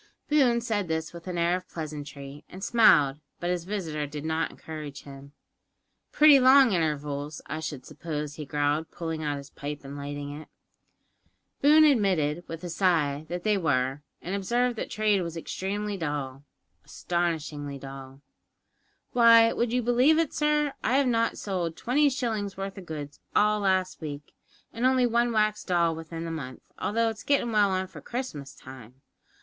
Boone said this with an air of pleasantry, and smiled, but his visitor did not encourage him. "Pretty long intervals, I should suppose," he growled, pulling out his pipe and lighting it. Boone admitted, with a sigh, that they were, and observed that trade was extremely dull astonishingly dull. "Why, would you believe it, sir, I have not sold twenty shillings' worth o' goods all last week, and only one wax doll within the month, although it's gettin' well on for Christmas time?